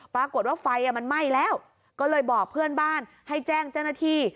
ปรากฏว่าไฟมันไหม้แล้วก็เลยบอกเพื่อนบ้านให้แจ้งเจ้าหน้าที่